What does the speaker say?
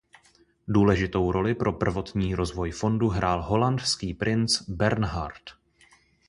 Důležitou roli pro prvotní rozvoj fondu hrál holandský princ Bernhard.